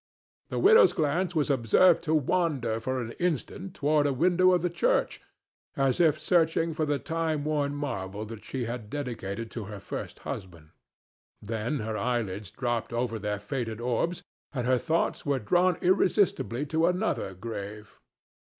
The widow's glance was observed to wander for an instant toward a window of the church, as if searching for the time worn marble that she had dedicated to her first husband; then her eyelids dropped over their faded orbs and her thoughts were drawn irresistibly to another grave.